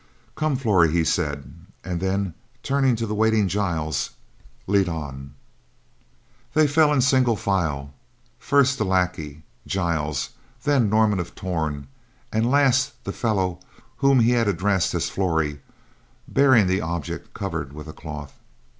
"Come, Flory," he said, and then, turning to the waiting Giles, "lead on." They fell in single file: first the lackey, Giles, then Norman of Torn and last the fellow whom he had addressed as Flory bearing the object covered with a cloth.